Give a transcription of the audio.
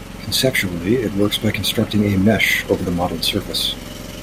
Conceptually, it works by constructing a "mesh" over the modelled surface.